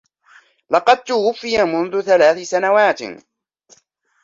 لقد توفي منذ ثلاث سنوات.